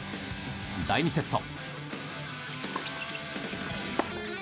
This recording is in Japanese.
第２セット。